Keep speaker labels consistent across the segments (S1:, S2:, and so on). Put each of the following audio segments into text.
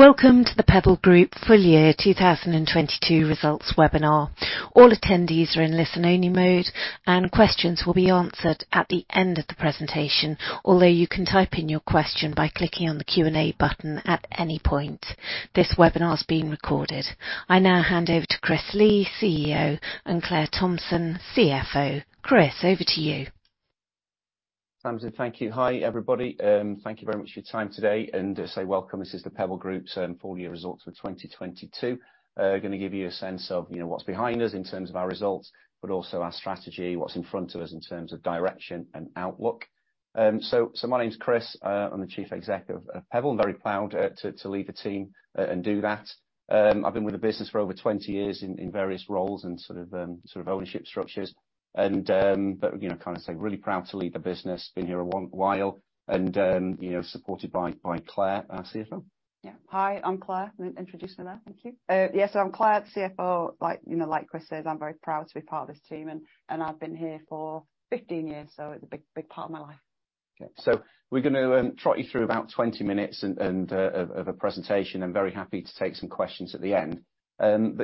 S1: Welcome to The Pebble Group Full Year 2022 results webinar. All attendees are in listen-only mode, and questions will be answered at the end of the presentation. You can type in your question by clicking on the Q&A button at any point. This webinar is being recorded. I now hand over to Chris Lee, CEO, and Claire Thomson, CFO. Chris, over to you.
S2: Tamzin, thank you. Hi, everybody. Thank you very much for your time today. Welcome. This is The Pebble Group's full year results for 2022. Gonna give you a sense of, you know, what's behind us in terms of our results, but also our strategy, what's in front of us in terms of direction and outlook. So my name's Chris. I'm the Chief Exec of The Pebble Group and very proud to lead the team and do that. I've been with the business for over 20 years in various roles and sort of ownership structures. But, you know, kind of say really proud to lead the business. Been here a while and, you know, supported by Claire, our CFO.
S3: Yeah. Hi, I'm Claire. Introduce me there. Thank you. Yes, I'm Claire, the CFO. Like, you know, like Chris says, I'm very proud to be part of this team, and I've been here for 15 years, so it's a big part of my life.
S2: Okay. We're gonna trot you through about 20 minutes of a presentation and very happy to take some questions at the end.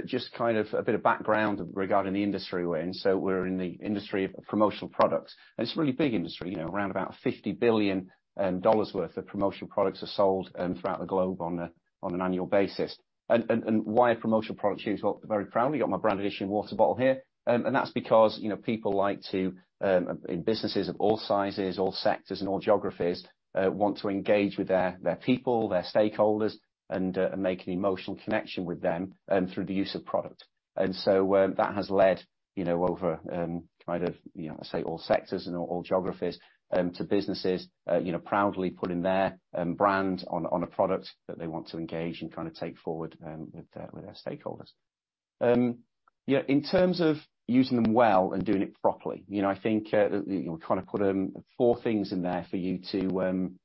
S2: Just to kind of a bit of background regarding the industry we're in. We're in the industry of promotional products, and it's a really big industry. You know, around about $50 billion worth of promotional products are sold throughout the globe on an annual basis. Why promotional products use? Well, very proudly got my branded issue and water bottle here. That's because, you know, people like to, in businesses of all sizes, all sectors and all geographies, want to engage with their people, their stakeholders, and make an emotional connection with them through the use of product. That has led, you know, over, kind of, you know, say all sectors and all geographies, to businesses, you know, proudly putting their, brand on a, on a product that they want to engage and kind of take forward, with their stakeholders. Yeah, in terms of using them well and doing it properly, you know, I think, you know, kind of put, four things in there for you to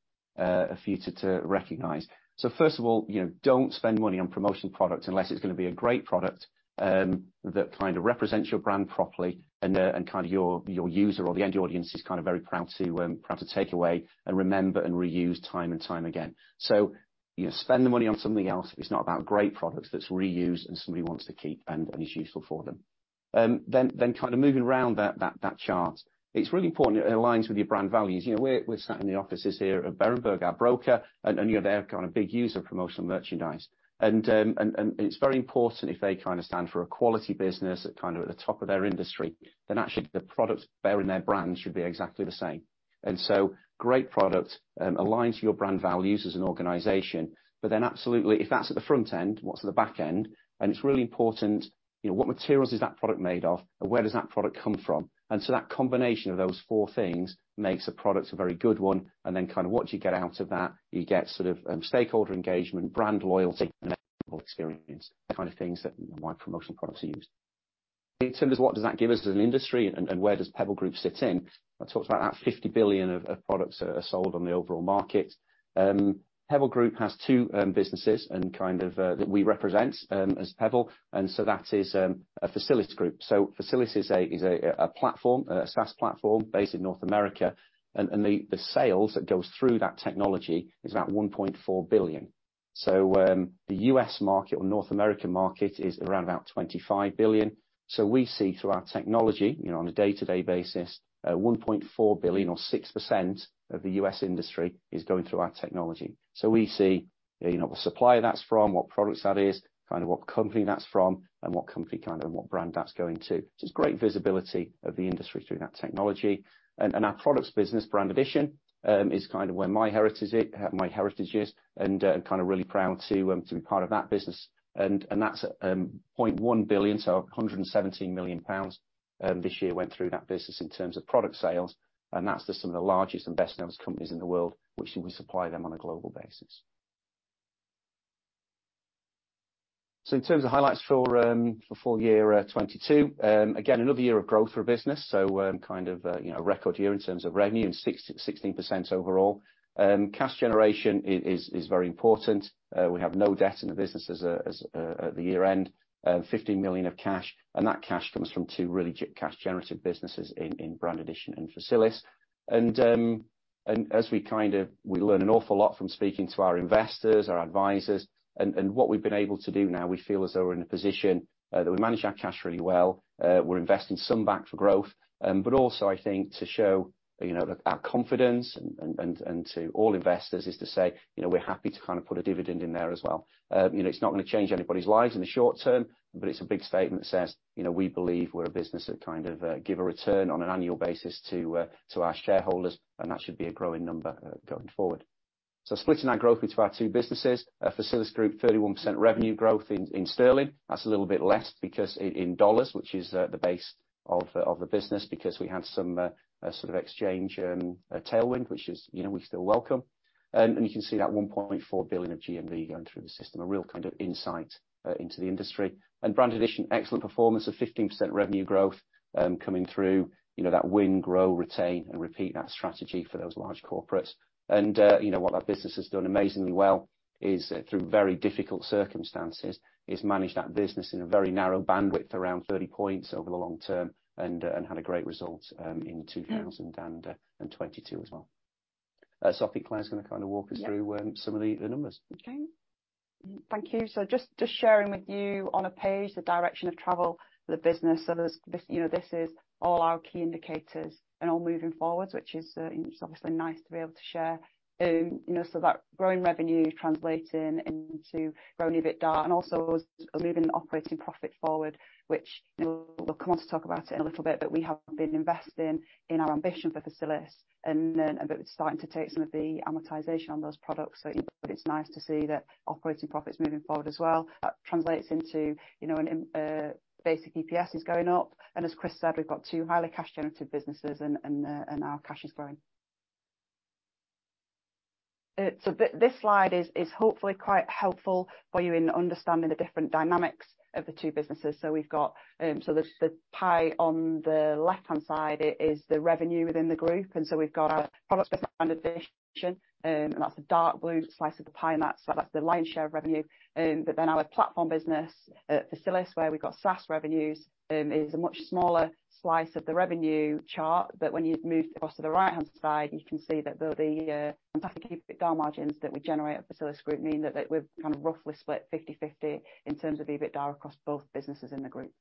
S2: recognize. First of all, you know, don't spend money on promotional products unless it's gonna be a great product, that kind of represents your brand properly and kind of your user or the end audience is kind of very proud to take away and remember and reuse time and time again. You know, spend the money on something else if it's not about great products that's reused and somebody wants to keep and is useful for them. Then kind of moving around that chart, it's really important it aligns with your brand values. You know, we're sat in the offices here at Berenberg, our broker, and, you know, they're kind of a big user of promotional merchandise. It's very important if they kind of stand for a quality business at kind of the top of their industry, then actually the product bearing their brand should be exactly the same. Great product aligns your brand values as an organization. Absolutely, if that's at the front end, what's at the back end? It's really important, you know, what materials is that product made of and where does that product come from? That combination of those four things makes a product a very good one, and then kind of what do you get out of that, you get sort of stakeholder engagement, brand loyalty and experience, the kind of things that, why promotional products are used. In terms of what does that give us as an industry and where does Pebble Group sit in, I talked about that $50 billion of products are sold on the overall market. Pebble Group has two businesses and kind of that we represent as Pebble. That is a Facilisgroup. So Facilisgroup is a platform, a SaaS platform based in North America. The sales that goes through that technology is about $1.4 billion. The U.S. market or North American market is around about $25 billion. We see through our technology, you know, on a day-to-day basis, $1.4 billion or 6% of the U.S. industry is going through our technology. We see, you know, the supplier that's from, what products that is, what company that's from and what company and what brand that's going to. Just great visibility of the industry through that technology. Our products business Brand Addition is where my heritage is and really proud to be part of that business. That's 0.1 billion, so 117 million pounds this year went through that business in terms of product sales, and that's just some of the largest and best-known companies in the world, which we supply them on a global basis. In terms of highlights for full year 2022, again, another year of growth for business. You know, a record year in terms of revenue and 16% overall. Cash generation is very important. We have no debt in the business at the year-end. 15 million of cash, and that cash comes from two really cash generative businesses in Brand Addition and Facilisgroup. As we learn an awful lot from speaking to our investors, our advisors and what we've been able to do now. We feel as though we're in a position that we manage our cash really well. We're investing some back for growth. Also I think to show, you know, our confidence and to all investors is to say, you know, we're happy to kind of put a dividend in there as well. You know, it's not gonna change anybody's lives in the short term, but it's a big statement that says, you know, we believe we're a business that kind of give a return on an annual basis to our shareholders, and that should be a growing number going forward. Splitting that growth into our two businesses, Facilisgroup, 31% revenue growth in GBP. That's a little bit less because in dollars, which is the base of the business, because we had some sort of exchange tailwind, which is, you know, we still welcome. You can see that $1.4 billion of GMV going through the system, a real kind of insight into the industry. Brand Addition, excellent performance of 15% revenue growth coming through. You know, that win, grow, retain and repeat that strategy for those large corporates. You know, what our business has done amazingly well is through very difficult circumstances, is manage that business in a very narrow bandwidth around 30 points over the long term and had a great result in 2022 as well. I think Claire's gonna kind of walk us through some of the numbers.
S3: Okay. Thank you. Just sharing with you on a page the direction of travel for the business. There's this, you know, this is all our key indicators and all moving forwards, which is, it's obviously nice to be able to share. You know, that growing revenue translating into growing EBITDA. Also us moving operating profit forward, which we'll come on to talk about it in a little bit, but we have been investing in our ambition for Facilis, then starting to take some of the amortization on those products. It's nice to see that operating profit's moving forward as well. That translates into, you know, basic EPS is going up. As Chris said, we've got two highly cash generative businesses and our cash is growing. This slide is hopefully quite helpful for you in understanding the different dynamics of the two businesses. We've got the pie on the left-hand side is the revenue within the group. We've got our products business, Brand Addition, and that's the dark blue slice of the pie, and that's the lion's share of revenue. Our platform business, Facilis, where we've got SaaS revenues, is a much smaller slice of the revenue chart. When you move across to the right-hand side, you can see that though the impacted EBITDA margins that we generate at Facilisgroup mean that we're kind of roughly split 50/50 in terms of EBITDA across both businesses in the group.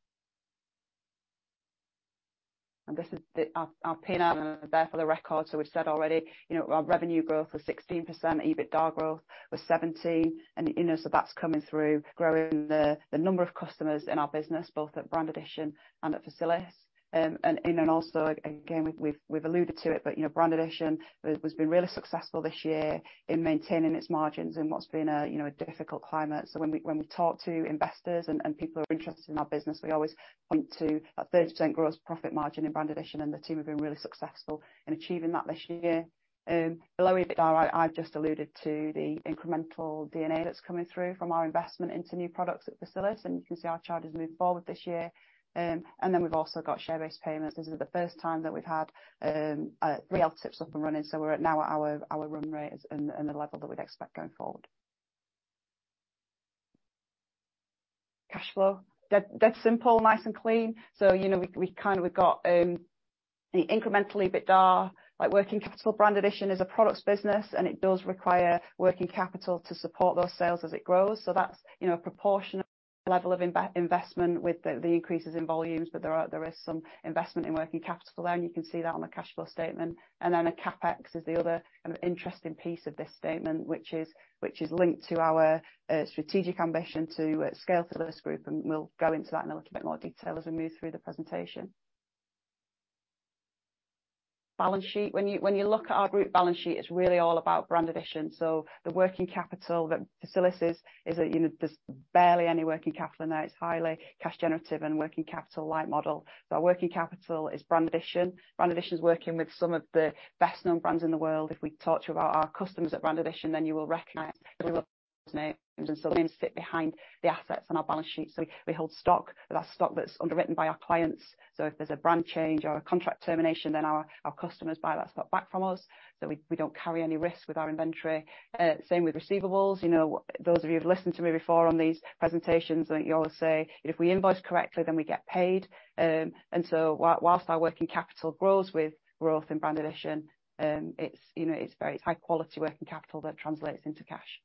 S3: This is our P&L there for the record. We've said already, you know, our revenue growth was 16%, EBITDA growth was 17%, and you know, that's coming through growing the number of customers in our business, both at Brand Addition and at Facilis. And also again, we've alluded to it, but you know, Brand Addition has been really successful this year in maintaining its margins in what's been a, you know, a difficult climate. When we talk to investors and people who are interested in our business, we always point to that 30% gross profit margin in Brand Addition, and the team have been really successful in achieving that this year. Below EBITDA, I've just alluded to the incremental DNA that's coming through from our investment into new products at Facilis, and you can see our chart has moved forward this year. We've also got share-based payments. This is the first time that we've had real LTIPs up and running, so we're at now our run rate is in the level that we'd expect going forward. Cash flow. Dead simple, nice and clean. You know we kind of we've got the incremental EBITDA, like working capital. Brand Addition is a products business, and it does require working capital to support those sales as it grows. That's, you know, a proportionate level of investment with the increases in volumes, but there is some investment in working capital there, and you can see that on the cash flow statement. Our CapEx is the other kind of interesting piece of this statement, which is linked to our strategic ambition to scale to this group, and we'll go into that in a little bit more detail as we move through the presentation. Balance sheet. When you look at our group balance sheet, it's really all about Brand Addition. The working capital that Facilis is a, you know, there's barely any working capital in there. It's highly cash generative and working capital light model. Our working capital is Brand Addition. Brand Addition is working with some of the best-known brands in the world. If we talk to our customers at Brand Addition, then you will recognize names. Names sit behind the assets on our balance sheet. We hold stock. That's stock that's underwritten by our clients. If there's a brand change or a contract termination, then our customers buy that stock back from us, so we don't carry any risk with our inventory. Same with receivables. You know, those of you who've listened to me before on these presentations, you always say, "If we invoice correctly, then we get paid." Whilst our working capital grows with growth in Brand Addition, it's, you know, it's very high quality working capital that translates into cash.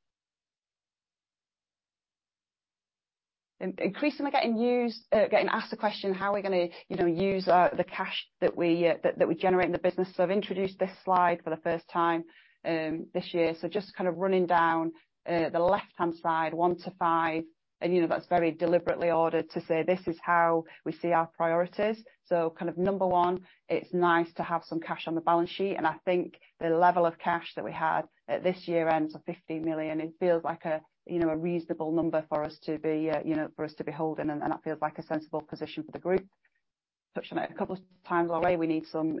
S3: Increasingly getting used, getting asked the question, how are we gonna, you know, use our, the cash that we, that we generate in the business? I've introduced this slide for the first time, this year. Just kind of running down, the left-hand side, 1 to 5, and you know, that's very deliberately ordered to say this is how we see our priorities. Kind of number 1, it's nice to have some cash on the balance sheet, and I think the level of cash that we had at this year-end of 50 million, it feels like a, you know, a reasonable number for us to be, you know, for us to be holding. That feels like a sensible position for the group. Touched on it a couple of times already. We need some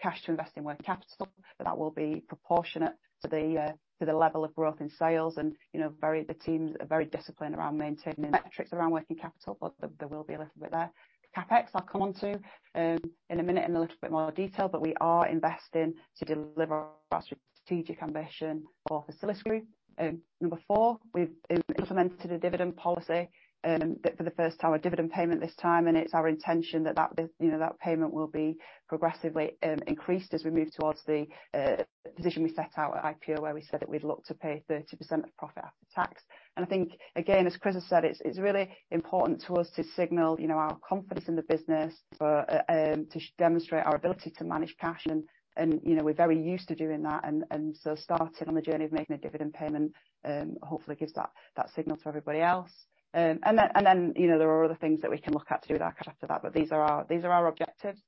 S3: cash to invest in working capital, but that will be proportionate to the level of growth in sales and, you know, the teams are very disciplined around maintaining metrics around working capital, but there will be a little bit there. CapEx, I'll come onto in a minute in a little bit more detail, but we are investing to deliver our strategic ambition for Facilisgroup. Number four, we've implemented a dividend policy that for the first time, our dividend payment this time, and it's our intention that, you know, that payment will be progressively increased as we move towards the position we set out at IPO, where we said that we'd look to pay 30% of profit after tax. I think, again, as Chris has said, it's really important to us to signal, you know, our confidence in the business to demonstrate our ability to manage cash, and, you know, we're very used to doing that. Starting on the journey of making a dividend payment, hopefully gives that signal to everybody else. Then, you know, there are other things that we can look at to do with our cash after that, but these are our objectives.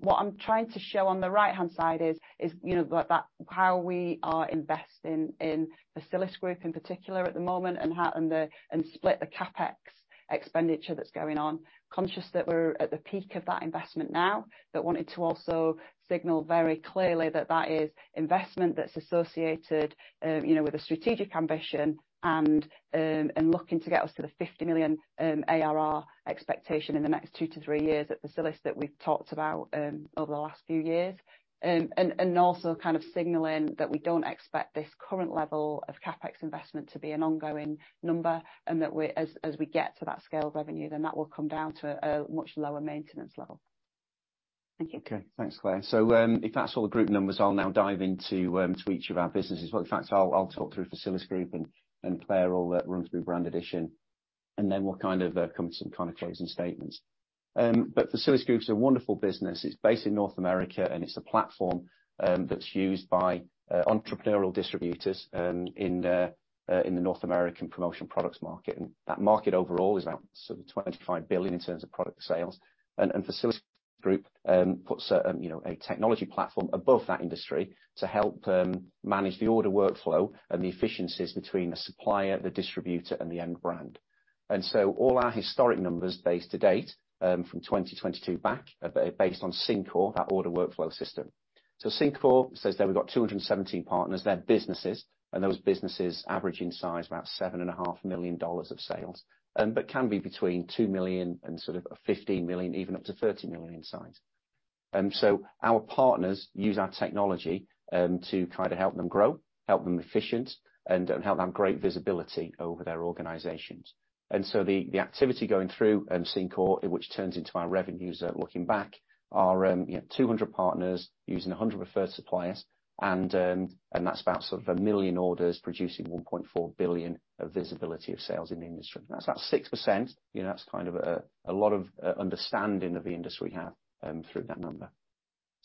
S3: What I'm trying to show on the right-hand side is, you know, how we are investing in Facilisgroup in particular at the moment and how, and the, and split the CapEx expenditure that's going on. Conscious that we're at the peak of that investment now, wanted to also signal very clearly that that is investment that's associated, you know, with a strategic ambition and looking to get us to the 50 million ARR expectation in the next two to three years at Facilisgroup that we've talked about over the last few years. Also kind of signaling that we don't expect this current level of CapEx investment to be an ongoing number and as we get to that scaled revenue, then that will come down to a much lower maintenance level.
S2: Okay, thanks Claire. If that's all the group numbers, I'll now dive into each of our businesses. Well, in fact I'll talk through Facilisgroup and Claire will run through Brand Addition, and then we'll kind of come to some kind of closing statements. But Facilisgroup's a wonderful business. It's based in North America, and it's a platform that's used by entrepreneurial distributors in the North American promotional products market. That market overall is about sort of $25 billion in terms of product sales. Facilisgroup puts a, you know, a technology platform above that industry to help them manage the order workflow and the efficiencies between the supplier, the distributor, and the end brand. All our historic numbers based to date, from 2022 back are based on Syncore, that order workflow system. Syncore says that we've got 217 partners, they're businesses, and those businesses averaging size about seven and a half million dollars of sales. Can be between $2 million and sort of $15 million, even up to $30 million in size. Our partners use our technology to kind of help them grow, help them efficient, and help have great visibility over their organizations. The activity going through Syncore, which turns into our revenues, looking back are, you know, 200 partners using 100 referred suppliers and that's about sort of 1 million orders producing $1.4 billion of visibility of sales in the industry. That's about 6%. You know, that's kind of a lot of understanding of the industry we have through that number.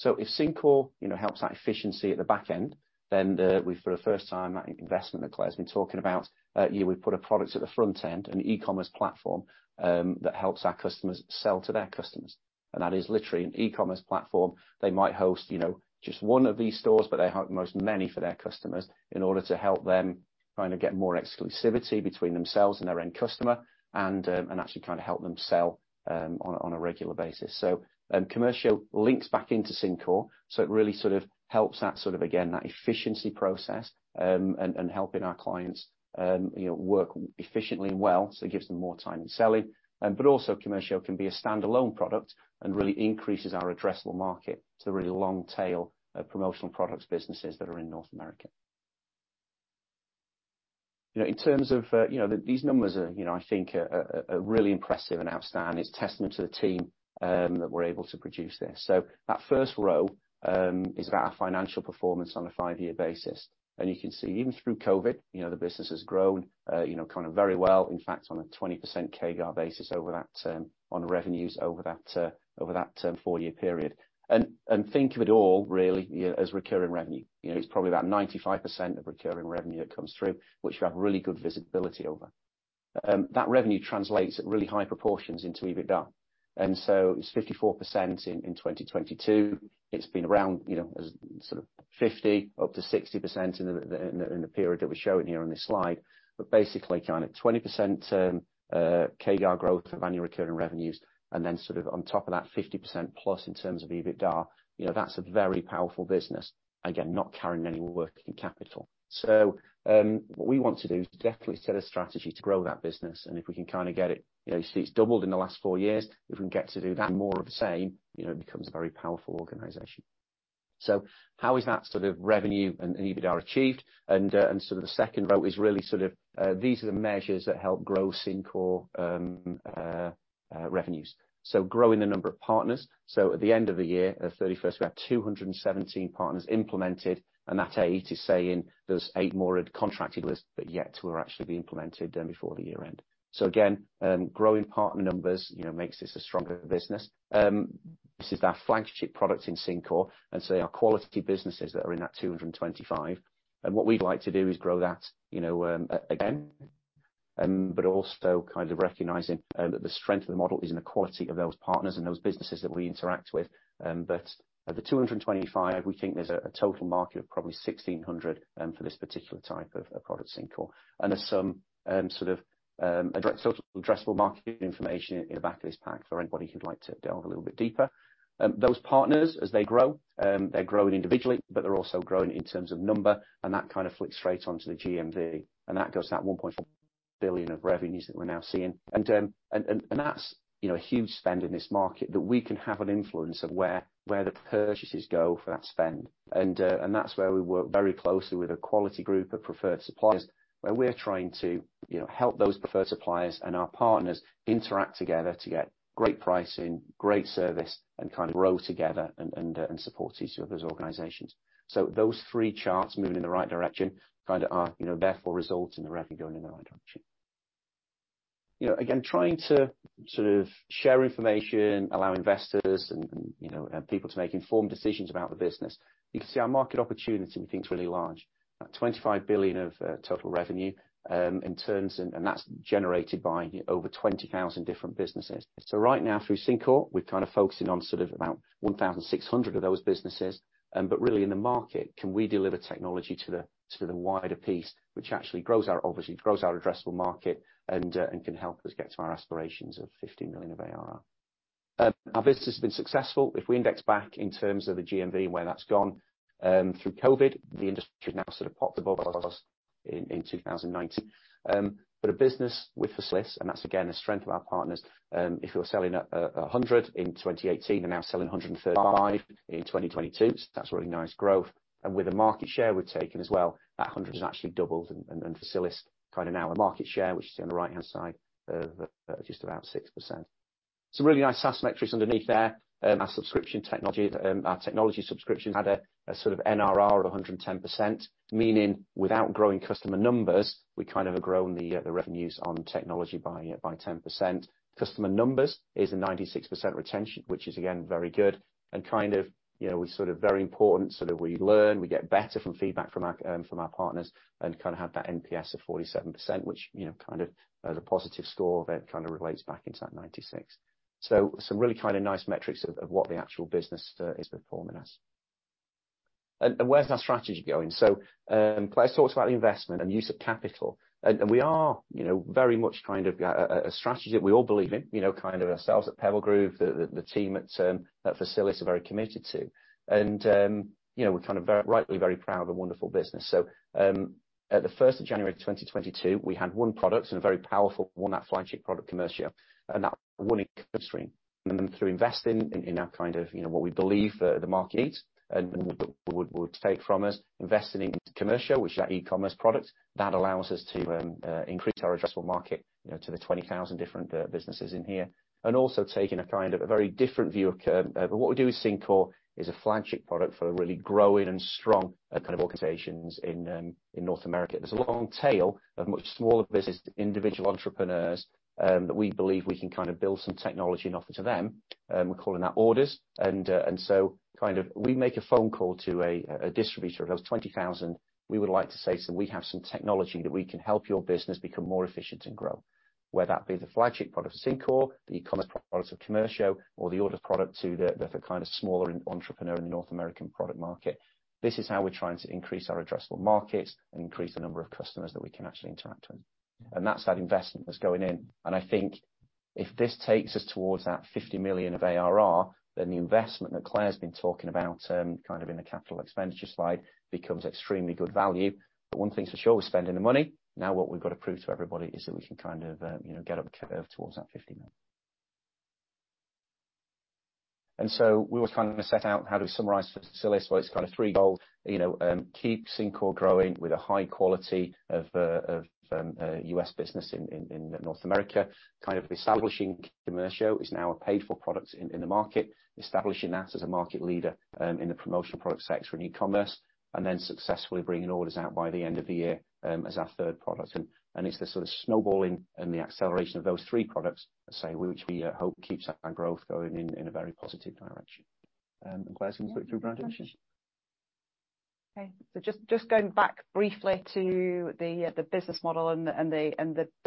S2: If Syncore, you know, helps that efficiency at the back end, then we, for the first time, that investment that Claire's been talking about, yeah, we've put a product at the front end, an e-commerce platform, that helps our customers sell to their customers. That is literally an e-commerce platform. They might host, you know, just one of these stores, but they host most many for their customers in order to help them kind of get more exclusivity between themselves and their end customer and actually kind of help them sell on a regular basis. Commercio links back into Syncore, it really sort of helps that sort of again, that efficiency process, and helping our clients, you know, work efficiently and well, it gives them more time in selling. Also Commercio can be a standalone product and really increases our addressable market to the really long tail of promotional products businesses that are in North America. You know, in terms of, you know, these numbers are, you know, I think are really impressive and outstanding. It's a testament to the team that we're able to produce this. That first row is about our financial performance on a five-year basis. You can see even through COVID, you know, kind of very well, in fact on a 20% CAGR basis over that, on revenues over that, over that four-year period. Think of it all really as recurring revenue. You know, it's probably about 95% of recurring revenue that comes through, which we have really good visibility over. That revenue translates at really high proportions into EBITDA. It's 54% in 2022. It's been around, you know, as sort of 50% up to 60% in the period that we're showing here on this slide. Basically 20% CAGR growth of annual recurring revenues, and then sort of on top of that, 50% plus in terms of EBITDA. You know, that's a very powerful business. Again, not carrying any working capital. What we want to do is definitely set a strategy to grow that business, and if we can kind of get it, you know, you see it's doubled in the last four years. If we can get to do that more of the same, you know, it becomes a very powerful organization. How is that sort of revenue and EBITDA achieved? The second row is really these are the measures that help grow Syncore revenues. Growing the number of partners. At the end of the year, at 31st, we have 217 partners implemented, and that eight is saying there's eight more contracted lists, but yet to actually be implemented before the year end. Again, growing partner numbers, you know, makes this a stronger business. This is our flagship product in Syncore. They are quality businesses that are in that 225. What we'd like to do is grow that, you know, again, but also kind of recognizing that the strength of the model is in the quality of those partners and those businesses that we interact with. Of the 225, we think there's a total market of probably 1,600 for this particular type of product, Syncore. There's some sort of addressable market information in the back of this pack for anybody who'd like to delve a little bit deeper. Those partners as they grow, they're growing individually, but they're also growing in terms of number, and that kind of flicks straight onto the GMV. That goes to that $1.4 billion of revenues that we're now seeing. That's, you know, a huge spend in this market that we can have an influence of where the purchases go for that spend. That's where we work very closely with a quality group of preferred suppliers, where we're trying to, you know, help those preferred suppliers and our partners interact together to get great pricing, great service, and kind of grow together and support each of those organizations. Those three charts moving in the right direction kind of are, you know, therefore results in the revenue going in the right direction. You know, again, trying to sort of share information, allow investors and, you know, people to make informed decisions about the business. You can see our market opportunity we think is really large. That 25 billion of total revenue, in terms of... That's generated by over 20,000 different businesses. Right now through Syncore, we're kind of focusing on sort of about 1,600 of those businesses. Really in the market, can we deliver technology to the, to the wider piece, which actually grows our, obviously grows our addressable market and can help us get to our aspirations of 50 million of ARR. Our business has been successful. If we index back in terms of the GMV and where that's gone, through COVID, the industry has now sort of popped above where it was in 2019. A business with Facilis, and that's again, the strength of our partners, if you're selling 100 in 2018 and now selling 135 in 2022, that's really nice growth. With the market share we've taken as well, that 100 has actually doubled and Facilis kind of now our market share, which is on the right-hand side of, just about 6%. Some really nice SaaS metrics underneath there. Our subscription technology, our technology subscriptions had a sort of NRR of 110%, meaning without growing customer numbers, we kind of have grown the revenues on technology by 10%. Customer numbers is a 96% retention, which is again, very good and kind of, you know, sort of very important so that we learn, we get better from feedback from our partners and kind of have that NPS of 47% which, you know, kind of as a positive score that kind of relates back into that 96. Some really kind of nice metrics of what the actual business is performing as. Where's our strategy going? Claire talks about the investment and use of capital. We are, you know, very much kind of a strategy that we all believe in, you know, kind of ourselves at The Pebble Group, the team at Facilisgroup are very committed to. You know, we're kind of rightly very proud of wonderful business. At the first of January 2022, we had one product and a very powerful one, that flagship product, Commercio, and that one industry. Through investing in that kind of, you know, what we believe the market eats and would take from us, investing in Commercio, which is our e-commerce product, that allows us to increase our addressable market, you know, to the 20,000 different businesses in here. Also taking a kind of a very different view of what we do with Syncore is a flagship product for a really growing and strong kind of organizations in North America. There's a long tail of much smaller business, individual entrepreneurs, that we believe we can kind of build some technology and offer to them. We're calling that Orders. We make a phone call to a distributor. Of those 20,000, we would like to say so we have some technology that we can help your business become more efficient and grow. Whether that be the flagship product of Syncore, the e-commerce product of Commercio, or the Orders product to the kind of smaller entrepreneur in the North American product market. This is how we're trying to increase our addressable markets and increase the number of customers that we can actually interact with. That's that investment that's going in. I think if this takes us towards that 50 million of ARR, then the investment that Claire's been talking about, kind of in the CapEx slide, becomes extremely good value. One thing's for sure, we're spending the money. Now, what we've got to prove to everybody is that we can kind of, you know, get up the curve towards that 50 million. We always kind of set out how to summarize Facilis. Well, it's kind of three goals. You know, keep Syncore growing with a high quality of U.S. business in North America. Kind of establishing Commercio is now a paid-for product in the market, establishing that as a market leader, in the promotional product sector in e-commerce, then successfully bringing Orders out by the end of the year, as our third product. It's the sort of snowballing and the acceleration of those three products, say, which we hope keeps our growth going in a very positive direction. Claire's gonna put it through Brand Addition.
S3: Just going back briefly to the business model and the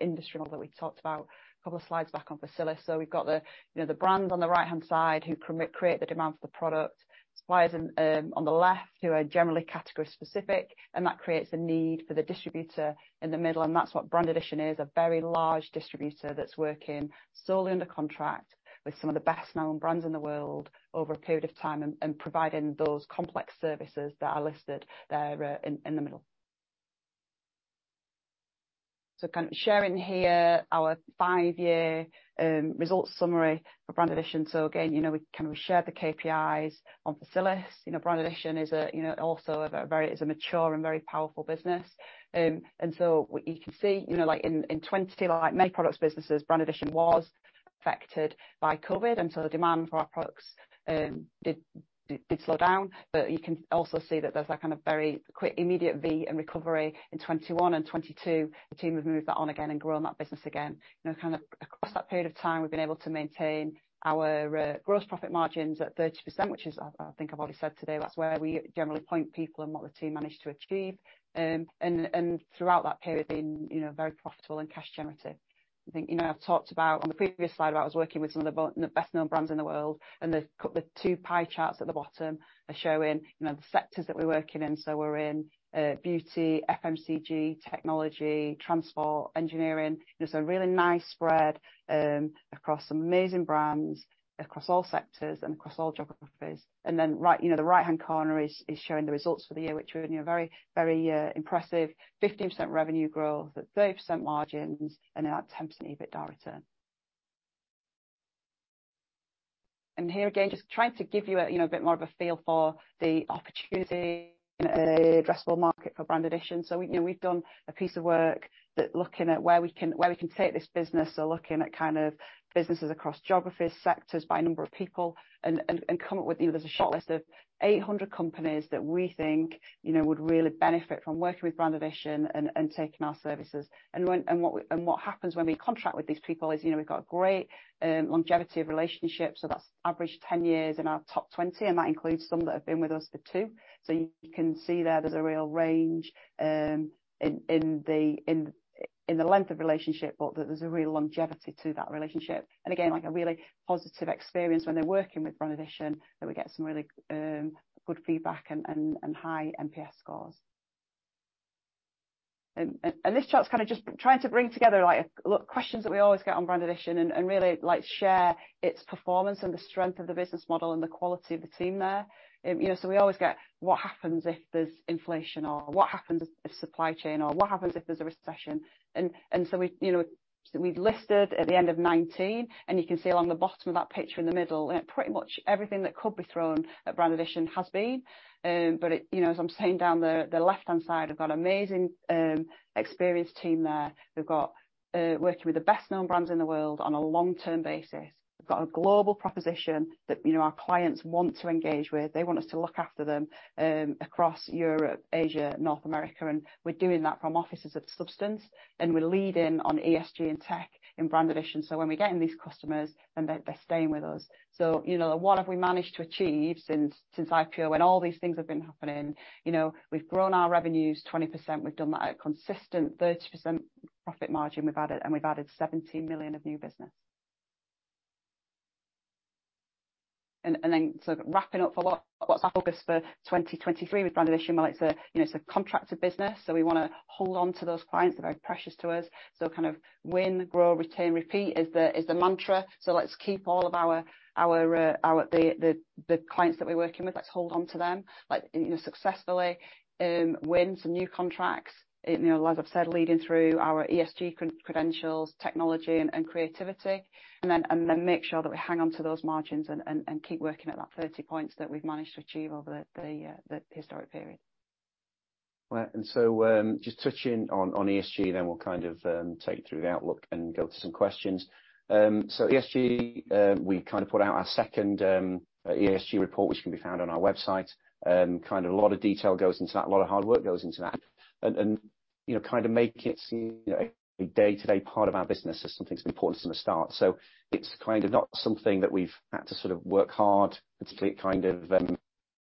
S3: industry model that we talked about a couple of slides back on Facilis. We've got the, you know, the brand on the right-hand side who create the demand for the product, suppliers on the left, who are generally category specific, and that creates a need for the distributor in the middle. That's what Brand Addition is, a very large distributor that's working solely under contract with some of the best-known brands in the world over a period of time and providing those complex services that are listed there in the middle. Kind of sharing here our five-year results summary for Brand Addition. Again, you know, we kind of shared the KPIs on Facilis. You know, Brand Addition is a, you know, also a mature and very powerful business. You can see, you know, like in 2020, like many products businesses, Brand Addition was affected by COVID, the demand for our products did slow down. You can also see that there's that kind of very quick immediate V in recovery in 2021 and 2022. The team have moved that on again and grown that business again. You know, kind of across that period of time, we've been able to maintain our gross profit margins at 30%, which is, I think I've already said today, that's where we generally point people and what the team managed to achieve. Throughout that period, been, you know, very profitable and cash generative. I think, you know, I've talked about on the previous slide, I was working with some of the best-known brands in the world, the two pie charts at the bottom are showing, you know, the sectors that we're working in. We're in beauty, FMCG, technology, transport, engineering. There's a really nice spread across some amazing brands, across all sectors and across all geographies. Right, you know, the right-hand corner is showing the results for the year, which were, you know, very impressive. 15% revenue growth at 30% margins and about 10% EBITDA return. Here again, just trying to give you a, you know, a bit more of a feel for the opportunity, addressable market for Brand Addition. You know, we've done a piece of work that looking at where we can, where we can take this business. Looking at kind of businesses across geographies, sectors, by number of people and come up with, you know, there's a short list of 800 companies that we think, you know, would really benefit from working with Brand Addition and taking our services. What, and what happens when we contract with these people is, you know, we've got great longevity of relationships. That's average 10 years in our top 20, and that includes some that have been with us for 2. You can see there's a real range in the length of relationship, but that there's a real longevity to that relationship. Again, like a really positive experience when they're working with Brand Addition, that we get some really good feedback and high NPS scores. This chart's kind of just trying to bring together like, look, questions that we always get on Brand Addition and really like share its performance and the strength of the business model and the quality of the team there. You know, so we always get what happens if there's inflation or what happens if supply chain or what happens if there's a recession. So we, you know, so we've listed at the end of 19, and you can see along the bottom of that picture in the middle. Pretty much everything that could be thrown at Brand Addition has been. It, you know, as I'm saying, down the left-hand side, I've got amazing experienced team there. We've got working with the best-known brands in the world on a long-term basis. We've got a global proposition that, you know, our clients want to engage with. They want us to look after them across Europe, Asia, North America, we're doing that from offices of substance. We're leading on ESG and tech in Brand Addition. When we get in these customers, then they're staying with us. You know, what have we managed to achieve since IPO, when all these things have been happening? You know, we've grown our revenues 20%. We've done that at a consistent 30% profit margin. We've added 70 million of new business. Wrapping up for what's our focus for 2023 with Brand Addition? Well, you know, it's a contracted business, we wanna hold on to those clients. They're very precious to us. Kind of win, grow, retain, repeat is the mantra. Let's keep all of our clients that we're working with, let's hold on to them. Like, you know, successfully win some new contracts. You know, as I've said, leading through our ESG credentials, technology and creativity, make sure that we hang on to those margins and keep working at that 30 points that we've managed to achieve over the historic period.
S2: Well, just touching on ESG then we'll kind of, take you through the outlook and go to some questions. ESG, we kind of put out our second, ESG report, which can be found on our website. Kind of a lot of detail goes into that, a lot of hard work goes into that and, you know, kind of make it seem, you know, a day-to-day part of our business as something that's been important from the start. It's kind of not something that we've had to sort of work hard to kind of,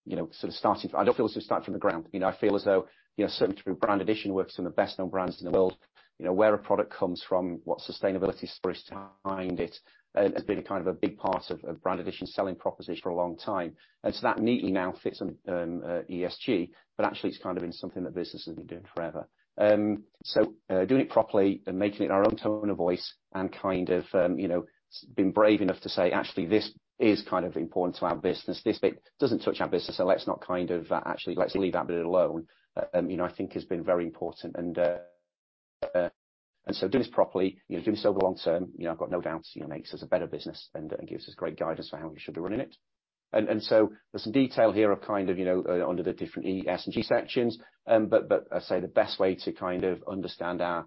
S2: you know, sort of starting I don't feel as we started from the ground. You know, I feel as though, you know, certainly through Brand Addition works from the best known brands in the world. You know, where a product comes from, what sustainability stories behind it, has been a kind of a big part of Brand Addition selling proposition for a long time. That neatly now fits ESG, but actually it's kind of been something that business has been doing forever. Doing it properly and making it our own tone of voice and kind of, you know, being brave enough to say, actually, this is kind of important to our business. This bit doesn't touch our business, so let's not kind of, actually, let's leave that bit alone. You know, I think has been very important. Doing this properly, you know, doing so over the long term, you know, I've got no doubts, you know, makes us a better business and gives us great guidance for how we should be running it. There's some detail here of kind of, you know, under the different ESG sections. But I say the best way to kind of understand our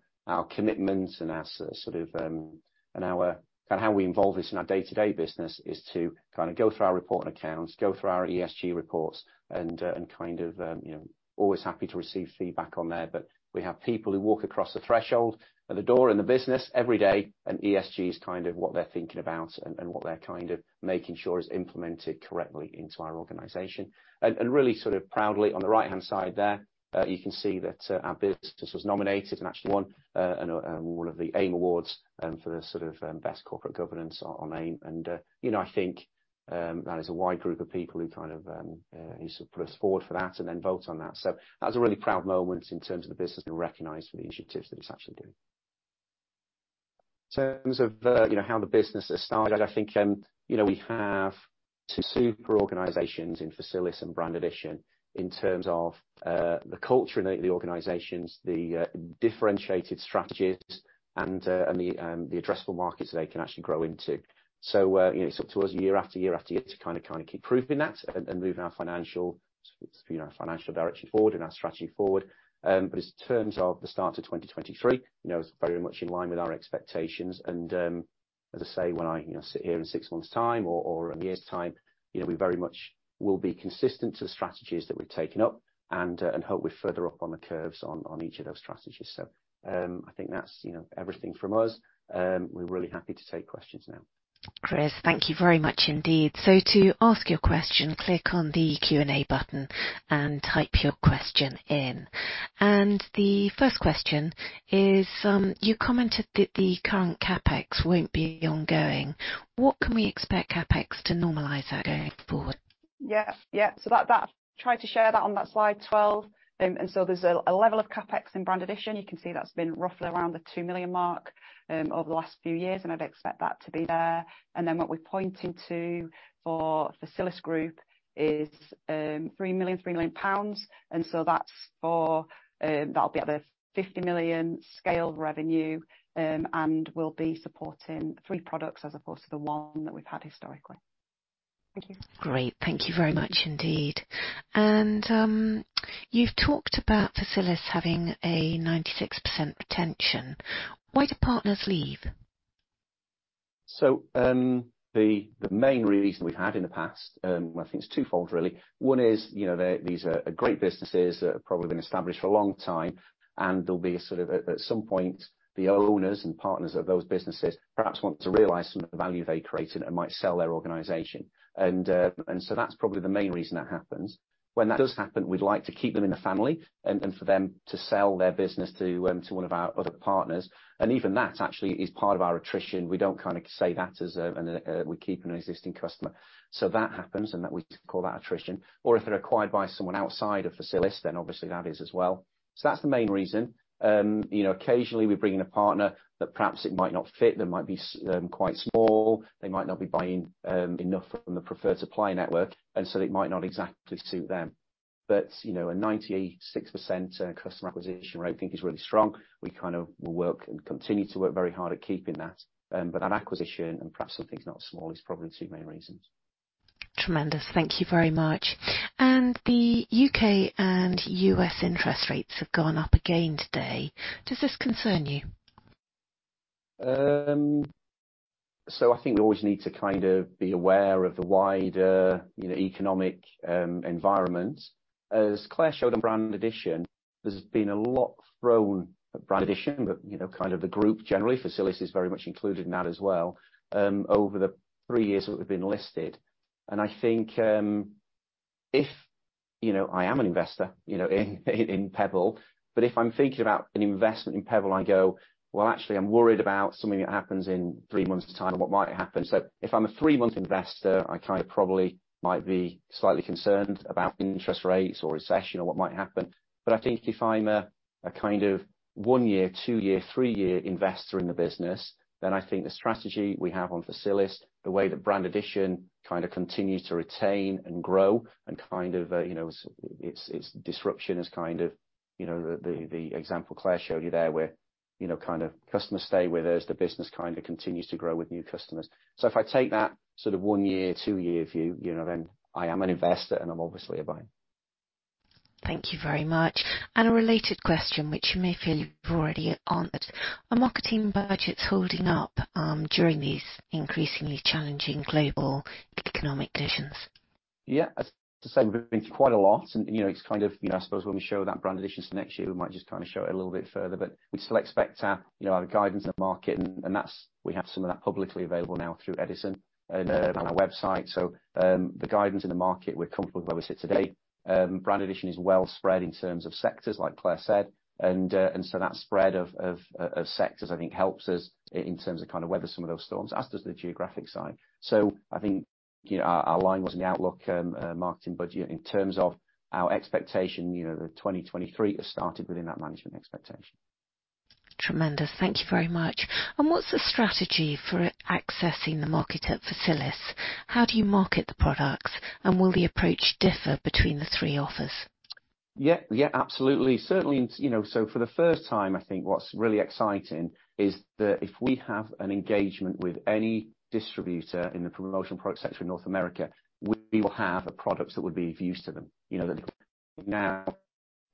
S2: commitments and our sort of, and our kind of how we involve this in our day-to-day business is to kind of go through our report on accounts, go through our ESG reports, and kind of, you know, always happy to receive feedback on there. We have people who walk across the threshold of the door in the business every day, and ESG is kind of what they're thinking about and what they're kind of making sure is implemented correctly into our organization. And really sort of proudly on the right-hand side there, you can see that, our business was nominated and actually won, an, one of the AIM awards, for the sort of, best corporate governance on AIM. You know, I think, that is a wide group of people who kind of, who sort of put us forward for that and then vote on that. That was a really proud moment in terms of the business being recognized for the initiatives that it's actually doing. In terms of, you know, how the business has started, I think, you know, we have two super organizations in Facilis and Brand Addition in terms of the culture in the organizations, the differentiated strategies and the addressable markets they can actually grow into. You know, it's up to us year after year after year to kind of keep proving that and moving our financial, you know, financial direction forward and our strategy forward. In terms of the start of 2023, you know, it's very much in line with our expectations and, as I say, when I, you know, sit here in 6 months time or in 1 year's time, you know, we very much will be consistent to the strategies that we've taken up and hope we're further up on the curves on each of those strategies. I think that's, you know, everything from us. We're really happy to take questions now.
S1: Chris, thank you very much indeed. To ask your question, click on the Q&A button and type your question in. The first question is, you commented that the current CapEx won't be ongoing. What can we expect CapEx to normalize at going forward?
S3: Tried to share that on that slide 12. There's a level of CapEx in Brand Addition. You can see that's been roughly around the 2 million mark, over the last few years, and I'd expect that to be there. What we're pointing to for Facilisgroup is 3 million. That's for that'll be at the 50 million scale of revenue, and we'll be supporting three products as opposed to the one that we've had historically. Thank you.
S1: Great. Thank you very much indeed. You've talked about Facilis having a 96% retention. Why do partners leave?
S2: The main reason we've had in the past, I think it's twofold really. One is, you know, they're, these are great businesses that have probably been established for a long time, and there'll be sort of at some point, the owners and partners of those businesses perhaps want to realize some of the value they created and might sell their organization. That's probably the main reason that happens. When that does happen, we'd like to keep them in the family and for them to sell their business to one of our other partners, and even that actually is part of our attrition. We don't kinda say that as a, we're keeping an existing customer. That happens and that we call that attrition or if they're acquired by someone outside of Facilis, then obviously that is as well. That's the main reason. You know, occasionally we bring in a partner that perhaps it might not fit, they might be quite small, they might not be buying enough from the preferred supplier network, and so it might not exactly suit them. But, you know, a 96% customer acquisition rate I think is really strong. We kind of will work and continue to work very hard at keeping that. An acquisition and perhaps something not small is probably two main reasons.
S1: Tremendous. Thank you very much. The U.K. and U.S. interest rates have gone up again today. Does this concern you?
S2: I think we always need to kind of be aware of the wider, you know, economic environment. As Claire showed on Brand Addition, there's been a lot thrown at Brand Addition, but, you know, kind of the group generally, Facilis is very much included in that as well, over the three years that we've been listed. I think, if... You know, I am an investor, you know, in Pebble, but if I'm thinking about an investment in Pebble, I go, "Well, actually, I'm worried about something that happens in three months' time and what might happen." If I'm a three-month investor, I kind of probably might be slightly concerned about interest rates or recession or what might happen. I think if I'm a kind of one-year, two-year, three-year investor in the business, then I think the strategy we have on Facilis, the way that Brand Addition kind of continues to retain and grow and kind of, you know, it's, it's disruption is kind of, you know, the example Claire showed you there, where, you know, kind of customers stay with us. The business kind of continues to grow with new customers. If I take that sort of one-year, two-year view, you know, then I am an investor, and I'm obviously a buyer.
S1: Thank you very much. A related question which you may feel you've already answered. Are marketing budgets holding up during these increasingly challenging global economic conditions?
S2: As I say, we've been through quite a lot and, you know, it's kind of, you know, I suppose when we show that Brand Addition to next year, we might just kind of show it a little bit further, but we still expect our, you know, our guidance in the market and that's, we have some of that publicly available now through Edison and on our website. The guidance in the market, we're comfortable with where we sit today. Brand Addition is well spread in terms of sectors, like Claire said. That spread of sectors, I think helps us in terms of kind of weather some of those storms, as does the geographic side. I think, you know, our line was in the outlook, marketing budget in terms of our expectation, you know, the 2023 has started within that management expectation.
S1: Tremendous. Thank you very much. What's the strategy for accessing the market at Facilis? How do you market the products, and will the approach differ between the three offers?
S2: Yeah. Yeah, absolutely. Certainly, you know, for the first time, I think what's really exciting is that if we have an engagement with any distributor in the promotional product sector in North America, we will have a product that would be of use to them. You know,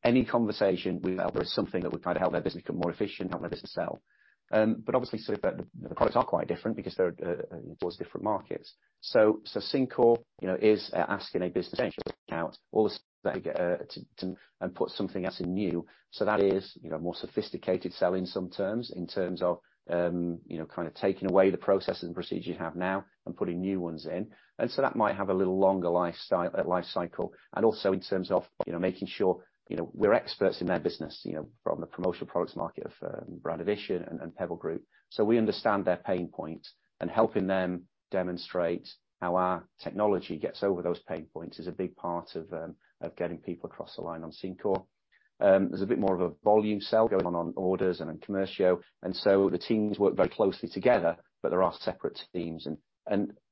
S2: now any conversation we have, there is something that would kind of help their business become more efficient, help their business sell. Obviously sort of the products are quite different because they're towards different markets. Syncore, you know, is asking a business account all the way and put something else in new. That is, you know, more sophisticated sell in some terms, in terms of, you know, kind of taking away the processes and procedures you have now and putting new ones in. That might have a little longer life cycle. Also in terms of, you know, making sure, you know, we're experts in their business, you know, from the promotional products market of Brand Addition and Pebble Group. We understand their pain points, and helping them demonstrate how our technology gets over those pain points is a big part of getting people across the line on C-Core. There's a bit more of a volume sell going on on Orders and on Commercio. The teams work very closely together, but they are separate teams.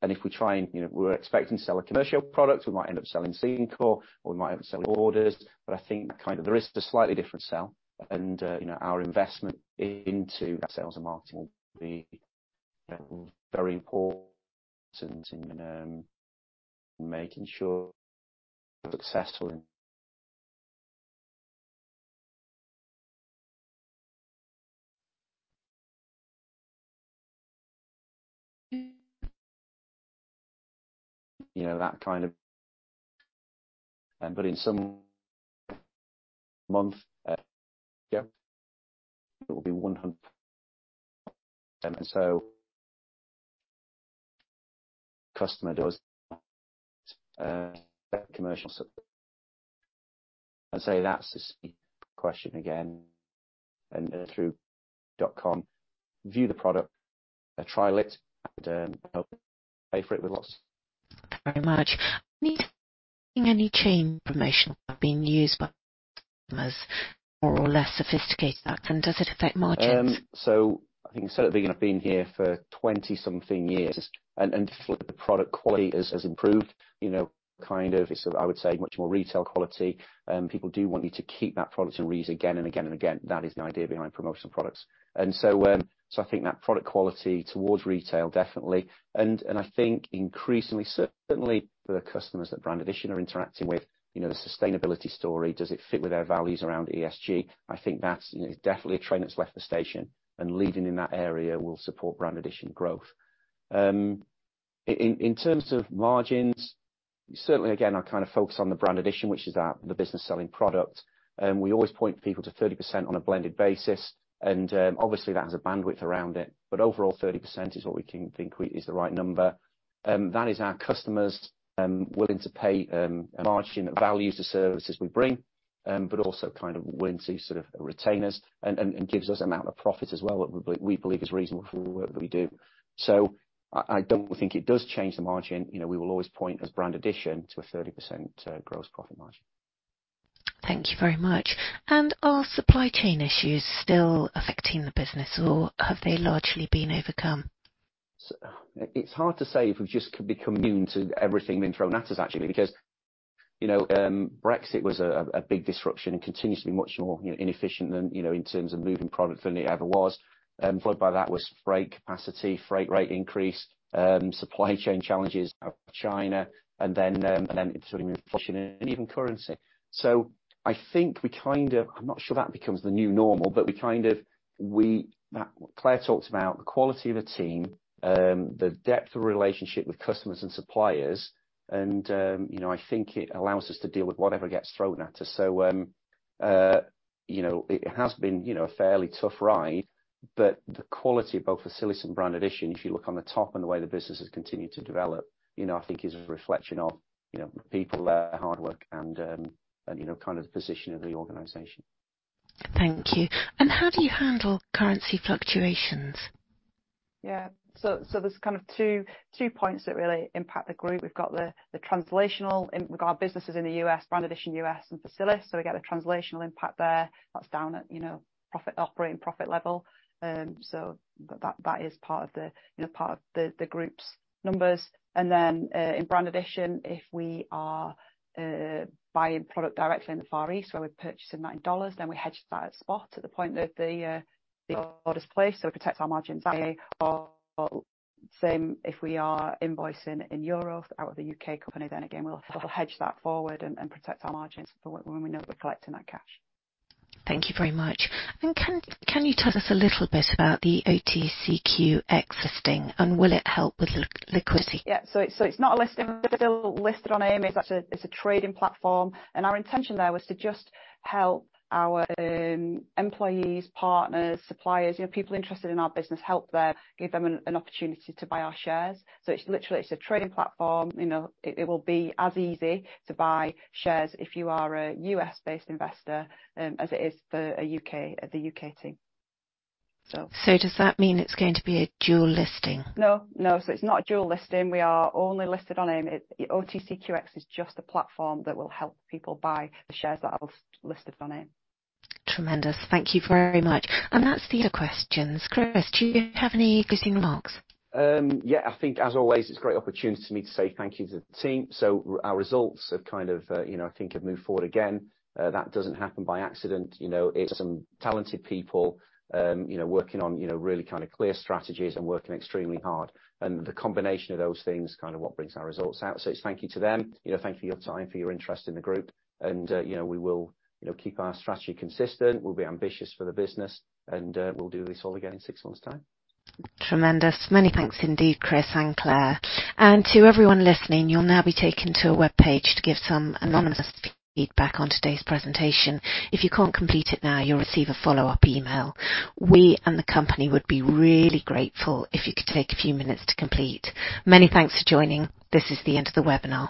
S2: If we try and, you know, we're expecting to sell a Commercio product, we might end up selling C-Core, or we might end up selling Orders. I think kind of there is a slightly different sell. You know, our investment into that sales and marketing will be very important in making sure we're successful in. You know, that kind of. In some month, yeah, it will be. Customer does Commercio. I'd say that's the same question again. Through dot com, view the product, trial it and pay for it with us.
S1: Very much. Are you seeing any chain promotion being used by customers more or less sophisticated than that? Does it affect margins?
S2: I've been here for 20 something years, and the product quality has improved. You know, kind of it's, I would say, much more retail quality. People do want you to keep that product and reuse again and again and again. That is the idea behind promotional products. I think that product quality towards retail, definitely. I think increasingly, certainly for the customers that Brand Addition are interacting with, you know, the sustainability story, does it fit with their values around ESG? I think that's, you know, definitely a train that's left the station, and leading in that area will support Brand Addition growth. In terms of margins, certainly again, I kind of focus on the Brand Addition, which is the business selling product. We always point people to 30% on a blended basis. Obviously that has a bandwidth around it. Overall, 30% is what we think is the right number. That is our customers willing to pay a margin that values the services we bring, but also kind of willing to sort of retain us and gives us amount of profit as well that we believe is reasonable for the work that we do. I don't think it does change the margin. You know, we will always point as Brand Addition to a 30% gross profit margin.
S1: Thank you very much. Are supply chain issues still affecting the business or have they largely been overcome?
S2: It's hard to say if we've just become immune to everything being thrown at us actually, because, you know, Brexit was a big disruption and continues to be much more, you know, inefficient than, you know, in terms of moving product than it ever was. Followed by that was freight capacity, freight rate increase, supply chain challenges out of China and then inflation and even currency. I think we kind of I'm not sure that becomes the new normal, but we kind of, Claire talked about the quality of the team, the depth of relationship with customers and suppliers and, you know, I think it allows us to deal with whatever gets thrown at us. You know, it has been, you know, a fairly tough ride, but the quality of both Facilis and Brand Addition, if you look on the top and the way the business has continued to develop, you know, I think is a reflection of, you know, the people there, hard work and, you know, kind of the position of the organization.
S1: Thank you. How do you handle currency fluctuations?
S3: There's kind of two points that really impact the group. We've got the translational in regard businesses in the U.S., Brand Addition U.S. and Facilis. We get the translational impact there that's down at, you know, profit, operating profit level. But that is part of the, you know, part of the group's numbers. Then in Brand Addition, if we are buying product directly in the Far East, where we're purchasing that in $, then we hedge that spot at the point that the order is placed, so it protects our margins. Same if we are invoicing in EUR out of the U.K. company, then again, we'll hedge that forward and protect our margins for when we know we're collecting that cash.
S1: Thank you very much. Can you tell us a little bit about the OTCQX listing and will it help with liquidity?
S3: Yeah. So it's not a listing listed on AIM, it's actually, it's a trading platform. Our intention there was to just help our employees, partners, suppliers, you know, people interested in our business, help them, give them an opportunity to buy our shares. It's literally, it's a trading platform, you know, it will be as easy to buy shares if you are a US-based investor as it is for the UK team.
S1: Does that mean it's going to be a dual listing?
S3: No, no. It's not a dual listing. We are only listed on AIM. OTCQX is just a platform that will help people buy the shares that I've listed on AIM.
S1: Tremendous. Thank you very much. That's the end of questions. Chris, do you have any closing remarks?
S2: Yeah, I think as always, it's a great opportunity for me to say thank you to the team. Our results have kind of, you know, I think have moved forward again. That doesn't happen by accident, you know, it's some talented people, you know, working on, you know, really kind of clear strategies and working extremely hard. The combination of those things is kind of what brings our results out. It's thank you to them. You know, thank you for your time, for your interest in The Pebble Group and, you know, we will, you know, keep our strategy consistent. We'll be ambitious for the business and, we'll do this all again in six months' time.
S1: Tremendous. Many thanks indeed, Chris and Claire. To everyone listening, you'll now be taken to a webpage to give some anonymous feedback on today's presentation. If you can't complete it now, you'll receive a follow-up email. We and the company would be really grateful if you could take a few minutes to complete. Many thanks for joining. This is the end of the webinar.